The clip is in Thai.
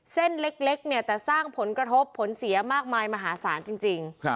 เส้นเล็กเนี่ยแต่สร้างผลกระทบผลเสียมากมายมหาศาลจริง